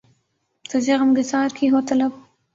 تجھے غم گسار کی ہو طلب